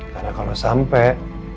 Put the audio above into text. karena kalau sampai